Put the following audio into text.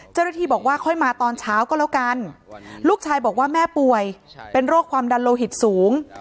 เจ้าหน้าที่บอกว่าค่อยมาตอนเช้าก็แล้วกันลูกชายบอกว่าแม่ป่วยเป็นโรคความดันโลหิตสูง